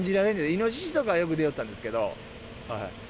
イノシシとかは、よく出よったんですけど。